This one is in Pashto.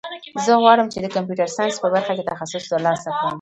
زه غواړم چې د کمپیوټر ساینس په برخه کې تخصص ترلاسه کړم